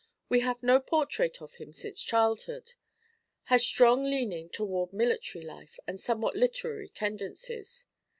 We have no portrait of him since childhood. Has strong leaning toward military life and somewhat literary tendencies.